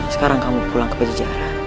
sekarang kamu pulang ke penjara